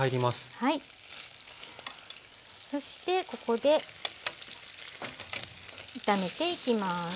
そしてここで炒めていきます。